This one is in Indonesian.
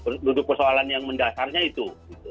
duduk persoalan yang mendasarnya itu